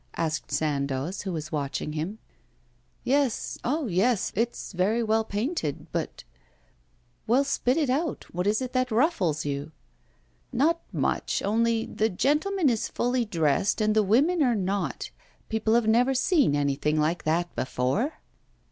asked Sandoz, who was watching him. 'Yes, oh yes, it's very well painted but ' 'Well, spit it out. What is it that ruffles you?' 'Not much, only the gentleman is fully dressed, and the women are not. People have never seen anything like that before.